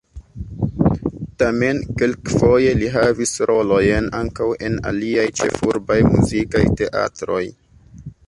Tamen kelkfoje li havis rolojn ankaŭ en aliaj ĉefurbaj muzikaj teatroj.